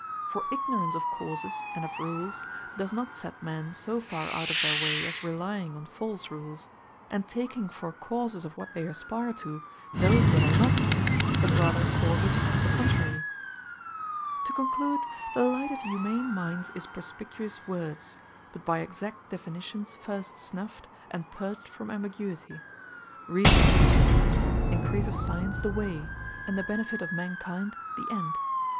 For ignorance of causes, and of rules, does not set men so farre out of their way, as relying on false rules, and taking for causes of what they aspire to, those that are not so, but rather causes of the contrary. To conclude, The Light of humane minds is Perspicuous Words, but by exact definitions first snuffed, and purged from ambiguity; Reason is the Pace; Encrease of Science, the Way; and the Benefit of man kind, the End.